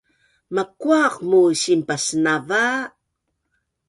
Makuaq muu sinpaasnava?